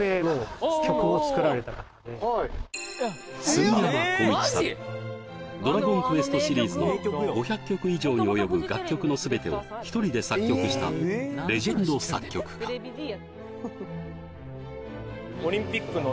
すぎやまこういちさん「ドラゴンクエストシリーズ」の５００曲以上に及ぶ楽曲の全てを１人で作曲したレジェンド作曲家そうへえ！